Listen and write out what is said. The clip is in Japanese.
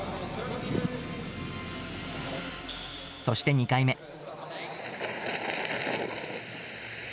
そして２回目。